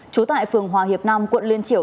chú tại phường hòa hiệp nam quận liên triểu